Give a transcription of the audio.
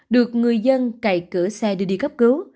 được người dân cày cửa xe đưa đi cấp cứu